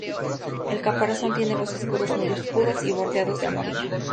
El caparazón tiene los escudos muy oscuros y bordeados de amarillo.